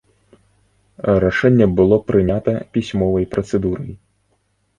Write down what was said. Рашэнне было прынята пісьмовай працэдурай.